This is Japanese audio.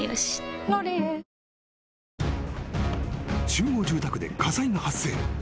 ［集合住宅で火災が発生。